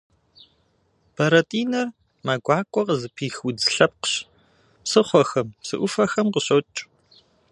Бэрэтӏинэр мэ гуакӏуэ къызыпих удз лъэпкъщ, псыхъуэхэм, псы ӏуфэхэм къыщокӏ.